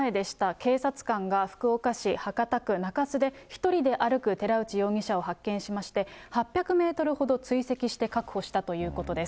警察官が福岡市博多区中洲で１人で歩く寺内容疑者を発見しまして、８００メートルほど追跡して確保したということです。